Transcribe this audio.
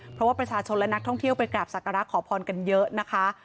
เพราะว่าประชาชนและนักท่องเที่ยวไปกราบสักการะขอพรกันเยอะนะคะ